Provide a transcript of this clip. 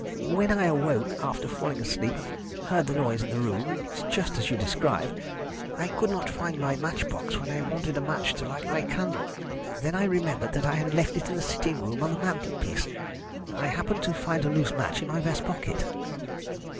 When I awoke after falling asleep, and heard the noise in the room just as you describe I could not find my match box when I wanted a match to light my candle, then I remembered that I had left it in the sitting room on the mantelpiece. I happened to find a loose match in my vest pocket."